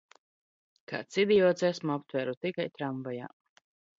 K?ds idiots esmu, aptv?ru tikai tramvaj?.